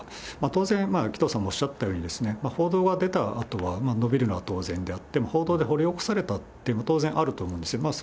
当然、紀藤さんもおっしゃったように、報道が出たあとは伸びるのは当然であって、報道で掘り起こされたということも当然あると思うんですよ。